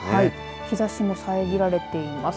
日ざしも遮られています。